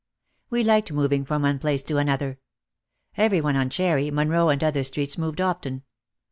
We liked moving from one place to another. Every one on Cherry, Monroe and other streets moved often.